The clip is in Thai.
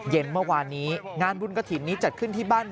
เย็นเมื่อวานนี้งานบุญกฐินจัดขึ้นที่บ้านน้นต้อง